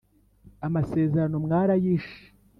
Amasezerano mwarayishe